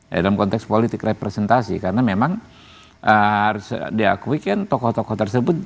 ya dalam konteks politik representasi karena memang harus diakui kan tokoh tokoh tersebut